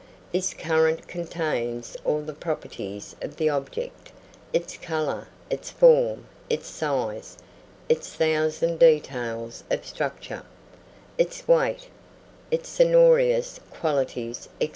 This current contains all the properties of the object, its colour, its form, its size, its thousand details of structure, its weight, its sonorous qualities, &c.